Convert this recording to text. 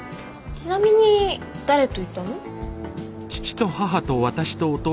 ちなみに誰と行ったの？